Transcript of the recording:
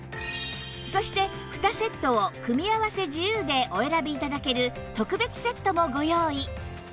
そして２セットを組み合わせ自由でお選び頂ける特別セットもご用意